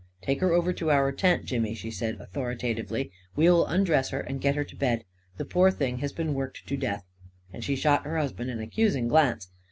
" Take her over to our tent, Jimmy," she said authoritatively. " We'll undress her and get her to bed. The poor thing has been worked to death." And she shot her husband an accusing glance.